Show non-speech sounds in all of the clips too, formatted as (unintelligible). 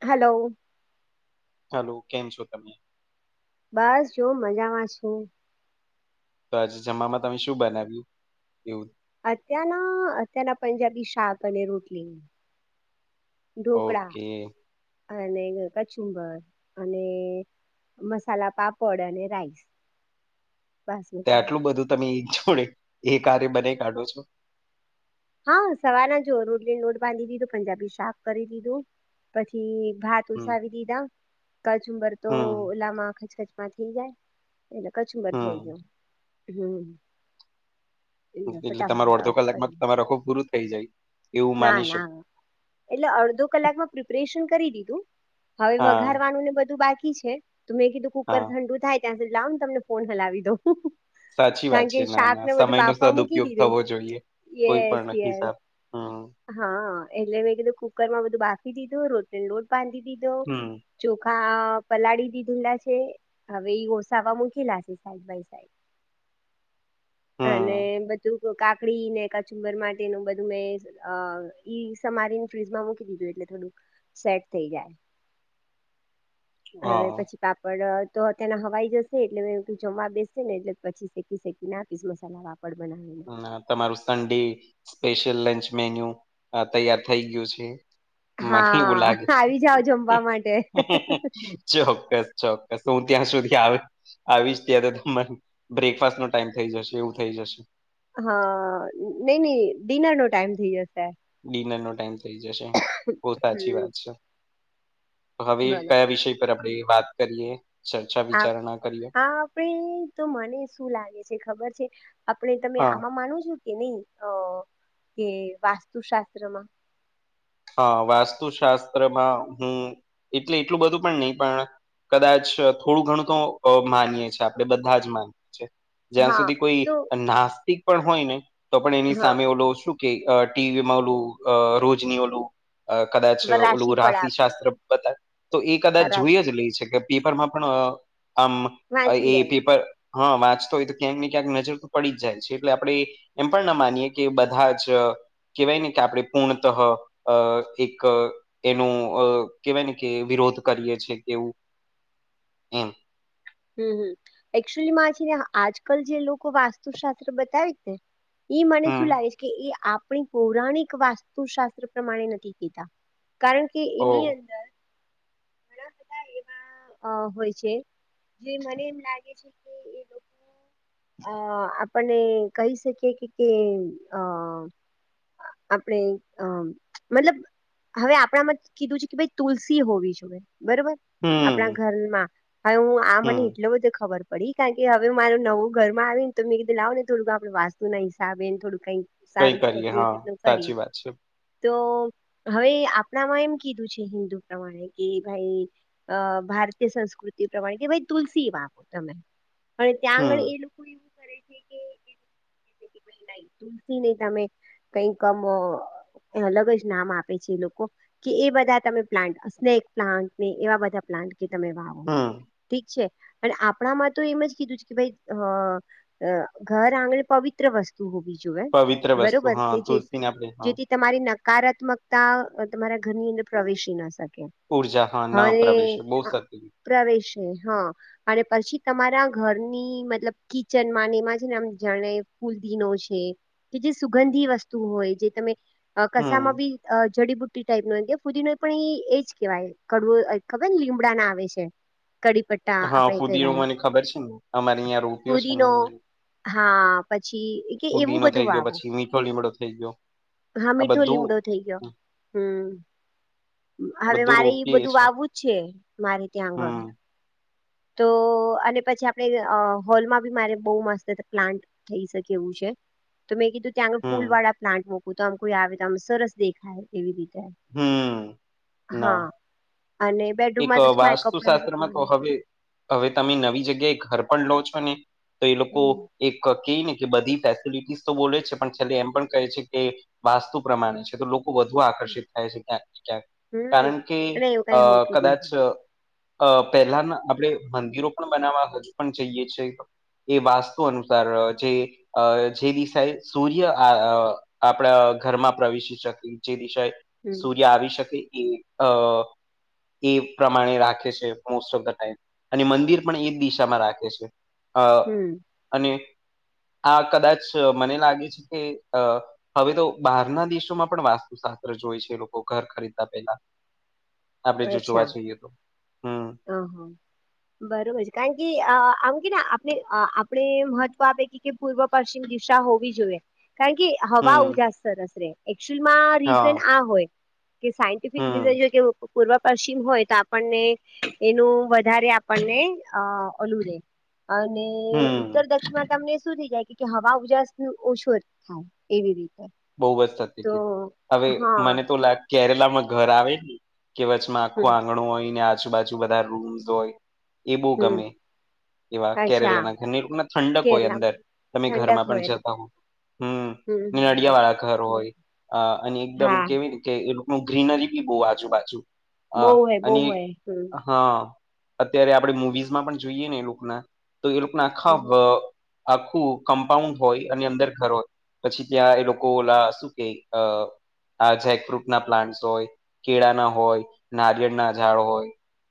Hello હાલું કેમ છો તમે બસ જો મજામાં છું. તો આજે જમાં તમે શું બનાવ્યું એવું અત્યારના અત્યારના પંજાબી શાક અને રોટલી ઢોકળા ઓકે અને કચુંબર અને મસાલા પાપડ અને રાઈસ તે બાસમતી રાઈસ આટલું બધું તમે જોડે એ કારે બને કાઢો છો. હા સવાર ના જુ રોટલી લોટ બાંધી દીધું પંજાબી સાફ કરી દીધું પછી ભાત હમ તસાવી દીધા કચુંબર તો હમ ઓલા ખચખચમાં થઈ જાય એટલે કચુંબર થઈ હમ ગયો હમ્મ એટલે તમારો અડધો કલાકમાં તમારે આખું પૂરું થઈ જાય એવું ના માની શકો ના એટલે અડધો કલાકમાં પ્રિપરેશન કરી દીધું હવે હા વઘારવાનું ને બધું બાકી છે તો મે કીધું કુકર હા ઠંડુ થાય ક્યાં લાવ તમને ફોન હલાવી દઉ સાચી વાત છે ના ના સમય નો મૂકી સદઉપયોગ દીધું થવો જોઈએ કોઈ યસ પણ હીસાબ યસ હમ્મ હા એટલે મેં કીધું કુકર માં બધું બાફી દીધું રોટલી લોટ બાંધી દીધો હમ ચોખા પલાળી દીધેલા છે હવે ઓસાવા મૂકી નાખીસ સાઈડ બાય સાઈડ અને હમ બધું કાકડી ને કચુંબર માટે તેનું બધું મેં ઈ સમારીને ફ્રીજમાં મૂકી દીધું એટલે થોડું સેટ થઈ જાય હ હા પછી પાપ પાપડ તો તને હવાઈ જશે એટલે મે જમવા બેસે ને એટલે પછી શેકી શેકીને આપીશ મસાલા વા પડ નહી તમારું સડે સ્પેશિયલ લંચ મેન્યુ તૈયાર થઈ ગયું છે મને એવું હા લાગે આવી જાઓ જમવા માટે છે ચોક્કસ ચોક્કસ હું ત્યાં સુધી આવી આવીશ ત્યાં તો તમારે બ્રેકફાસ્ટ નો ટાઈમ થઈ જશે એવું થઈ જશે હા નઈ નઈ ડિનર નો ટાઈમ થઇ જશે ડિનર નો ટાઈમ થઈ જશે બો સાચી હમ વાત છે. હવે બોલો કયા વિષય પર આપડે વાત કરીએ ચર્ચા વિચારણા કરીએ હા આપે તો મને શું લાગે છે ખબર છે આપણે તમે હા આમા માનો છો એ ની અ કે વાસ્તુશાસ્ત્રમાં હા વાસ્તુશાસ્ત્રમાં હું એટલે એટલુ બધુ પણ નહી પણ કદાચ થોડું ઘણું તો અ માનીએ છીએ આપણેે બધા જ માનીએ છીએ જ્યાં હા સુધી કોઈ તો નાસ્તિક પણ હોય ને તો પણ એની હા સામે ઓલો શું કે અ ટીવી માં ઓલુ અ રોજની ઓલુ કદાચ વ- ઓલુ રાશિફળ રાશિ આપે શાસ્ત્ર બતા તો એ હા, કદાચ જોઈ રાશિ જ લે છે કે પેપરમાં પણ આમ વાંચી એ લે પેપર હા વાંચતો હોય તો ક્યાંક ને ક્યાંક નજર તો પડી જ જાય છે. એટલે આપડે એમ પણ ના માનીએ કે બધા જ કેહવાય ને કે આપણે પૂર્ણતઃ અ એક એનુ કેવાય ને કે વિરોધ કરીએ છેએ કેવુ હમ્મ હમ્મ હમ્મ એકચુલી માં છે ને આજકાલ જે લોકો વાસ્તુશાસ્ત્ર બતાવે છેને ઈ મન સુ હમ લાગે છે કે એ આપણી પૌરાણિક વાસ્તુશાસ્ત્ર પ્રમાણે નથી કેતા કારણ કે કે ઓ એની અંદર ઘણા બધા અ હોય છે. જે મને એમ લાગે છે કે લોકો અ આપને કહી શકીએ કે કે અ આપણે અ મતલબ હવે આપણામાં કીધુ છે કે ભાઈ તુલસી હોવી જોઈએ બરોબર આપણા હમ ઘરમાં હવે હું આ મને હમ એટલો બધો ખબર પડી કારણ કે હવે મારે નવુ ઘરમાં આવે ને તો મે કધુ લાવ ને થોડુ આપણે વાસ્તુ ના હિસાબે થોડુ કઈ કઈ સારું થાય કરીએ એટલે એ હા રીતનું કરીએ સાચી વાત છે તો હવે આપણામાં એમ કીધુ છે. હિન્દુ પ્રમાણે કે ભાઈ અ ભારતીય સંસ્કૃતિ પ્રમાણે કે ભાઈ તુલસી વાવ તમે પણ ત્યાં આગળ હમ એ લોકો એવુ કરે (unintelligible) થી ન તમે કઈ અમ અ એ અલગ જ નામ આપે છે એ લોકો કે એ બધા તમે પ્લાન્ટ સ્નેક પ્લાન્ટને એવા બધા પ્લાન્ટ કે તમે વાવો. હમ ઠીક છે અને આપણામાં તો એમ જ કીધુ છે કે ભાઈ અ અ ઘર આંગણે પવિત્ર વસ્તુ હોવી જોઈએ પવિત્ર વસ્તુ બરોબર હા કે જે તુલસીને આપણે હા જેથી તમારી નકારાત્મકતા તમારા ઘરની અંદર પ્રવેશી ન શકે. ઉર્જા હા ન પ્રવેશે બો સ પ્રવેશની હ અને પછી તમારા ઘરની મતલબ કિચન મા એમાં છે એમ જાણે ફૂલદીનો છે. કે જે સુગંધી વસ્તુ હોય જે તમે હમ કસામાં બી જડીબુટ્ટી ટાઈપ નો ફુદીનો પણ ઈ એજ કેહેવાય. કડવું હોય ખબર ને લીમડા ના આવે છે કડી પટ્ટી હા ફુદીનો મને ખબર છે ને અમારી અહીંયા રોપયો છે ને પુદીનો એટલે. હા પછી કે એવું બધુ થઈ ગયો વાવો પછી મીઠો લીમડો થઈ ગયો હા આ મીઠો બધું લીમડો થઈ ગયો હમ, હમ હવે બધું મારે ઈ રોપીએ બધુ વાવુ છે મારે ત્યાં આગળ હમ તો અને પછી આપણે અ હોલમાં બી મારે બહુ મસ્ત પ્લાન્ટ થઈ શકે એવું છે તો મેં કીધુ ત્યાં આગળ ફૂલ હમ વાળા પ્લાન્ટ મુકુ તો આમ કોઈ આવે તો આમ સરસ દેખાય એવી રીતે. હમ. હા ના અને એક બેડરૂમમાં તો શું મારે કપડાં વાસ્તુશાસ્ત્રમાં તો સુકવાના હવે હવે તમે નવી જગ્યાએ ઘર પણ લો છો ને તો એ લોકો હમ એક કેયને કે બધી ફેસિલિટીસ તો બોલે છે પણ છેલ્લે એમ પણ કહે છે કે વાસ્તુ પ્રમાણે છે તો લો વધુ આકર્ષિત થાય છે ક્યાંક ને ક્યાંક હમ કારણ કે અને એવું અ કઈ હોતું જ કદાચ નથી અ પહેલાના આપણે મંદિરો પણ બનાવવા હજુ પણ જઈએ છે. એ વાસ્તુ અનુસાર જે અ જે દિશા આ અ સૂર્ય આપણા ઘરમાં પ્રવેશી શકે જે દિશાએ હમ સૂર્ય આવી શકે એ અ એ પ્રમાણે રાખે છે મોસ્ટ ઓફ ધ ટાઈમ અને મંદિર પણ એ જ દિશામાં રાખે છે. અ હમ અને આ કદાચ મને લાગે છે કે હવે તો બારના દેશોમાં પણ વાસ્તુશાસ્ત્ર જોય છે. લોકો ઘર ખરીદતા પેલા આપણેે જો જોવા અચ્છા જઈએ તો હમ હ હા બરોબર છે કારણ કે અ આમ કેને આપણે આપણે મહત્વ આપે કે પૂર્વ પશ્ચિમ દિશા હોવી જોઈએ. કારણ કે હવા હમ ઉજાસ સરસ રે એકચુઅલમાં હા રીઝન આ હોય. કે સાયન્ટિફિક હમ રીઝન જો કે પૂર્વ પશ્ચિમ હોય તો આપણને એનું વધારે આપણને ઓલું રે અને હમ ઉત્તર દક્ષીમાં તમને શું થઈ જાય હવા ઉજાસ ઓછો થાય એવી રીતે. બહ બસ થતી તો કીધું હવે હા મને તો લ કેરલામાં ઘર આવે ને કે વચમાં આખો હમ આંગણો હોય ને આજુબાજુ બધા રૂમ્સ હોય એ બો હમ ગમે એવા અચ્છા કેરલાના ઘર એ લોકો ના ઠંડક હોય અંદર કેરલામાં તમે ઘરમાં ઠંડક પણ હોય જતા હો. હમ હમ હમ. િયા વાળા ઘર હમ હોય, અને એકદમ હા કેવી ને કે એ ન ગ્રીનરી બી બહુ આજુબજુ. હા બહુ હોય બહુ અને હોય હમ હા. અત્યારે આપણે મુવીઝમાં પણ જોઈએ ને એ લોકોના, તો એ લોકોના હમ આખા આખું કમ્પાઉન્ડ હોય અને અંદર ઘર હોય, પછી ત્યાં એ લોકો ઓલા શું કે અ આ જેકફ્રુટ ના પ્લાન્ટસ હોય, કેળા ના હોય, નારિયેળના ઝાડો હોય.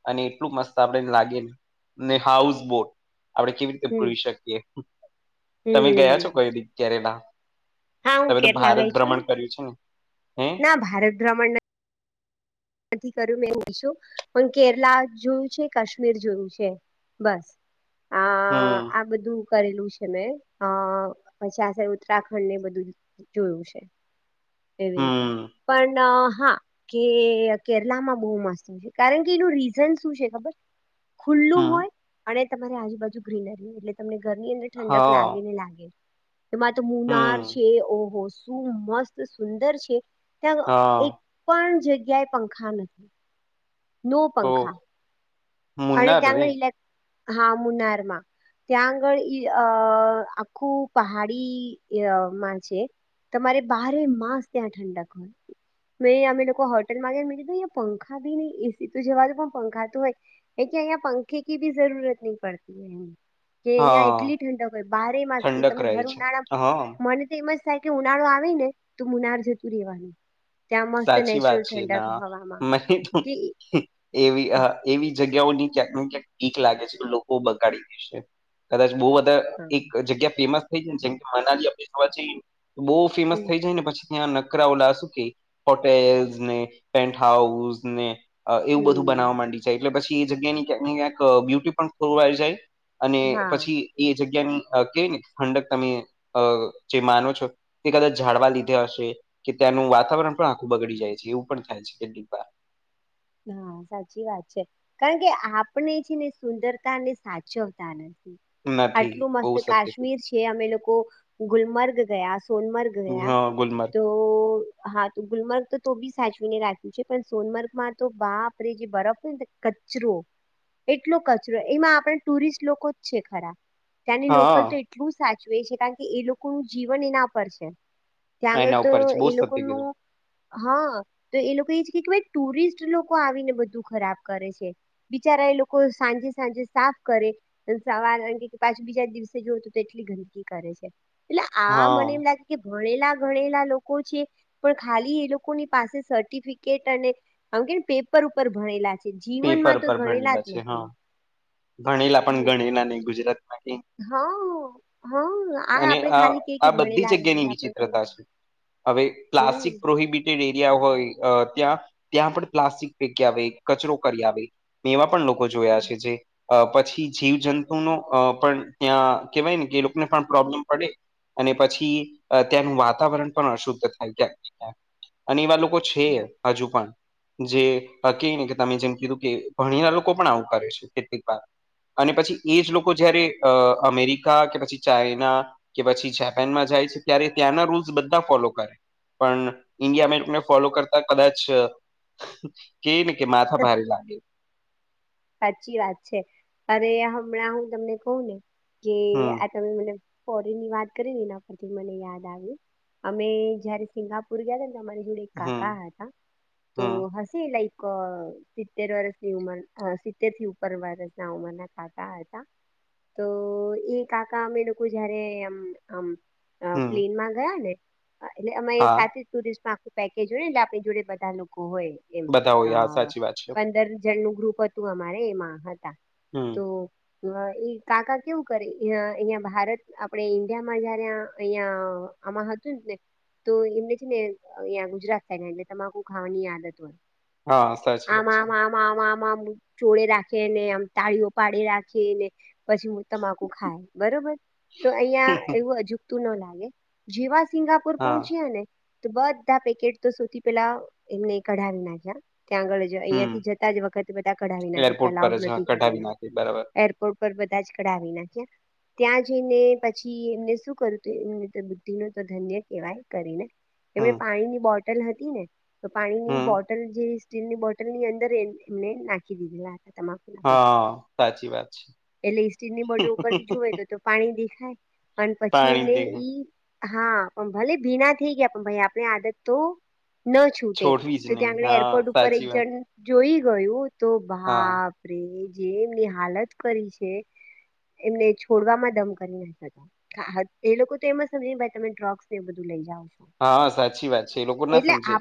અને એટલું મસ્ત આપણેને લાગે ને, ને હાઉસ બોટ. કે હમ ભૂલી શકીએ તમે ગયા હમ છો કઈ દી ક્યારે ના હા હું તમે તો કેરલા ભારત ભ્રમણ કર્યું છે ને. હે આ ભારત ભ્રમણના નથી કર્યું મેં (unintelligible) શું પણ કેરલા જોયું છે કાશ્મીર જોયું છે. બસ આ હમ આ બધું કરેલું છે મેં આ પછી આ સાઇડ ઉત્તરાખંડ ને બધું જોયું છે. એવી રીતે હમ પણ હા કે કેરલામાં બહુ મસ્ત કારણ કે એનું રીઝન શું છે ખબર ખુલ્લું હમ હોય અને તમારી આજુબાજુ ગ્રીનરી હોય એટલે તમને ઘરની અંદર ઠંડક હા લાગે ને લાગે એમાં તો મુનાર હમ છે ઓ હો હા મસ્ત સુંદર છે ત્યાં હા એક પણ જગ્યાએ પંખા નથી નો તો પંખા. અને મુન્નાર ત્યાંનો રે ઇલે હા મુનારમાં. ત્યાં આગળ ઈ અ આખું પહાડી ય માં છે. તમારે બારે માસ ત્યાં ઠંડક હોય. મે અમે લોકો હોટેલ મા ગયા પંખા ભી ની એસી તો જવાનું પણ પંખા તો હોય એકે અહીંયા પંખે કે ભી જરૂરત નહી પડતી હે. કે અહીંયા હા એટલી ઠંડક હોય બારે માસ થી ઠંડક તમે રહે ભર છે ઉનાળા હા મને તેમજ થાય કે ઉનાળો આવે ને તો મુનાર જતું રેવા. સાચી વાત છે ના હવામાં માહી થું કે હમ એવી આ એવી જગ્યાઓની (unintelligible) નું ક્યાંક ઠીક લાગે છે લોકો બગાડી ભી શ કદાચ બો બધા હા એક જગ્યા ફેમસ થઈ જાય ને જેમ કે મનાલી આપણે (unintelligible) જઈએ તો બો ફેમસ હમ થઈ જાય ને પછી ત્યાં નકરા ઓલા શું કે હોટેલ્સ ને પેન્ટ હાઉસ ને એવું બધું બનાવવા હમ માંડી છે એટલે પછી એ જગ્યા ની ક્યાંક ને ક્યાંક આ બ્યુટી પણ ખોરવાઈ જાય અને હા પછી એ જગ્યાની કેવાય ને ખંડક તમે આ જે માનો છો તે કદાચ ઝડવા લીધે હશે કે ત્યાંનું વાતાવરણ પણ આખું બગડી જાય છે એવું પણ થાય છે કેટલીક વાર. હા સાચી વાત છે કારણ કે આપણે છે ને સુંદરતા ને સાચવતા નથી. નથી આટલું બહુ મસ્ત સત્ય કાશ્મીર કીધું છે કે અમે લોકો ગુલમર્ગ ગયા સોનમર્ગ ગયા હા ગુલમર્ગ તો તો હા તો ગુલમર્ગ તો બી સાચવીને રાખ્યું છે પણ સોનમર્ગમાં તો બાપ રે જે બરફ હોય ને તે કચરો એટલો કચરો એમાં આપણે ટુરિસ્ટ લોકો જ છે ખરા. ત્યાંની હા લોકલ તો એટલું સાચવે છે કારણ કે એ લોકોનું જીવન એના પર છે. ત્યાં આગળ એના તો ઉપર છે બહુ એ સત્ય લોકોનું કીધું હા તો એ લોકો એ જ હિક્વે ટુરિસ્ટ જ લોકો આવીને બધું ખરાબ કરે છે બિચારા એ લોકો સાંજે સાંજે સાફ કરે અન સવાર એન કે કે પાછા બીજા દિવસે જોવું તો એટલી ગંદકી કરે છે એટલે આ હા મને એમ લાગ કે ભણેલા ગણેલા લોકો છે પણ ખાલી એ લોકોની પાસે સર્ટિફિકેટ અને આમ કે પેપર ઉપર ભણેલા છે પેપર જીવનમાં તો પર ગણેલા જ ભણેલા છે નથી. હા ભણેલા પણ ગણેલા ની ગુજરાત માંથી. હ હ આ અને આપણે ખાલી કે કે આ બધી ભણેલા જગ્યાની ગણેલા પણ વિચિત્રતા કઈ છે હવે પ્લાસ્ટિક હમ પ્રોહિબિટ સ્થિર એરીયા હોય આ ત્યાં ત્યાં પણ પ્લાસ્ટિક ફેકી આવે કચરો કરી આવે. મે એવા પણ લોકો જોયા છે જે અ પછી જીવજંતુ નો અ પણ ત્યાં કેહેવાય ને કે લોકોને પણ પ્રોબ્લેમ પડે અને પછી આ ત્યાંનું વાતાવરણ પણ અશુદ્ધ થઈ જાય છે અને એવા લોકો છેએ. હમ. હજુ પણ જે કહી ને કે તમે જેમ કીધું કે ભણીના લોકો પણ આવું કરે છે. કેટલીક વાર અને પછી એ જ લોકો જયારે આ અમેરિકા કે પછી ચાઈના કે પછી જાપાનમાં જાય છે ત્યારે ત્યાંના રૂલ્સ બધા ફોલો કરે. પણ ઇન્ડિયા અમેરિકાને ફોલો કરતા કદાચ! કે નને કે માથા ભારે લાગે. સાચી વાત છે, અરે હમણાં હું તમને કહું ને કે. હમ તમે મને ફોરેનની વાત કરી, ને એના પરથી મને યાદ આવી. અમે જયારે સિંગાપુર ગયા હતા ને તમારી જોડે. કાકા હમ હતા તો હમ હસી લાઈક સિત્તેર વર્ષની ઉંમર સી્તેર થી ઉપર વાયરસ ના ઉમરના કાકા હતા. તો એ કાકા અમે લોકો જયારે એમ આમ અ હમ પ્લેનમાં ગયા ને એટલે અમે હા સાથે ટુરિસ્ટમાં આખું પેકેજ હોય, એટલે આપણી જોડે બધા લોકો હોય, એમ બધા હોય હા સાચી વાત છે પંદર જણાનું ગ્રુપ હતું. તું અમારે એમાં હતા, હમ તો હ એ કાકા કેવું કરે અહિયાયા ભારત આપડ ઈન્ડિયામાં જયારે અહીંયા, આમાં હતું ને તો એમને છે, ને અ ગુજરાત થ એ તમાકું ખાવાની આદત હોય. હા સાચી વાત આમાં છે આમાં આમાં આમા, ચોળે રાખેને આમ તાળીઓ પાડે રાખેને પછી, તમાકુ ખાય બરોબર તો અહીંયા એવું અજુકતું ન લાગે, જેવા સિંગાપુર હા પહોંચીએ ને તો બધા પેકેટ તો સૌથી પેલા એમને કઢાવી નાખ્યા, ત્યાં આગળ જ અહિયાંથી હમ જતા જ વખતે બધા કઢાવી નાખે એરપોર્ટ પર અલાઉડ જ હા નથી કઢાવી કરીને નાખે બરાબર એ એરપોર્ટ પર બધા જ કઢાવી નાખ્યા. ત્યાં જઈને પછી એમને શું કરું તું એ બુદ્ધિ ન તો ધન્ય કેવાય કરીને. એમણે હમ પાણીની બોટલ હતી ને તો પાણીની હમ બોટલ જે સ્ટીલની બોટલ ની અંદર એ એમને નાખી દીધેલા હતા તમામ હા સાચી વાત છે એટલે સ્ટીલની બોટલ ઉપર થી જોવે તો, પાણી દેખાય અને પછી પાણી એમને દે ઈ હા, પણ ભલે ભીના થઈ ગયા પણ ભાઈ આપણે આદત તો ન છૂટે છોડવી જ તો નહી ત્યાં આગળ હા એરપોર્ટ ઉપર એક સાચી વાત જણ જોઈ ગયું તો હા બાપ. આપ જે એમની હાલત કરી છે, એમને છોડવામાં દમ કરી નાખ્યા તા હા, એ લોકો તો એમ જ સમજેને તમે ડ્રગ્સ ને એ બધું લઈ જાવ. હા, સાચી વાત છે એ લોકો ના સમજે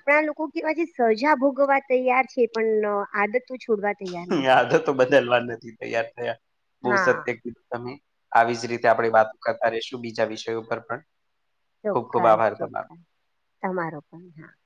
કે પછી સજા ભોગવવા તૈયાર છે, પણ આદતો છોડવા તૈયાર નથી. યાદતો બદલવા નથી, તૈયાર થયા બહુ હા સત્ય કીધું તમે. આવી જ રીતે આપણે વાતો કરતા રહીશું, બીજા વિષયો પર પણ ખુબ ખુબ ચોક્કસ આભાર તમારો. ચોક્કસ તમારો પણ (inaudible)